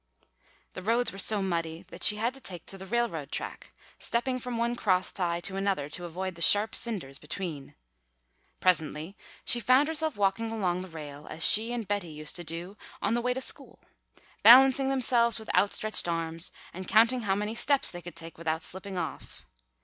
The roads were so muddy that she had to take to the railroad track, stepping from one cross tie to another to avoid the sharp cinders between. Presently she found herself walking along the rail as she and Betty used to do on the way to school, balancing themselves with outstretched arms and counting how many steps they could take without slipping off.